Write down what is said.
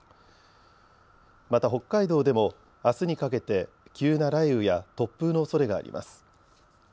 また北海道でもあすにかけて急な雷雨や突風のおそれがあります。